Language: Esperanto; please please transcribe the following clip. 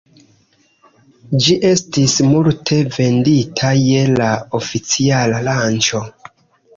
Ĝi estis multe vendita je la oficiala lanĉo.